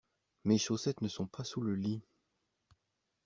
Mes chaussettes ne sont pas sous le lit.